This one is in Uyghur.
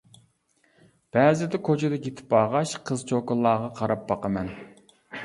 بەزىدە كوچىدا كېتىپ بارغاچ قىز-چوكانلارغا قاراپ باقىمەن.